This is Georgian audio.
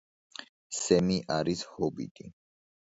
სემი არის ჰობიტი.